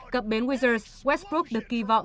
cập bến wizards westbrook được kỳ vọng